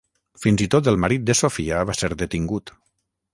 Fins i tot el marit de Sofia va ser detingut.